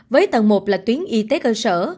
với tầng một là tuyến y tế cơ sở